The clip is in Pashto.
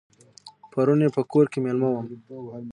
پرون یې په کور کې مېلمه وم.